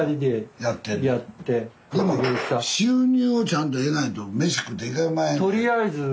でも収入をちゃんと得ないと飯食っていけまへんで。